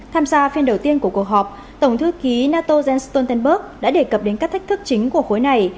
tham gia phiên đầu tiên của cuộc họp tổng thư ký nato jens stoltenberg đã đề cập đến các thách thức chính của khối này